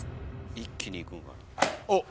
一気にいくんかな。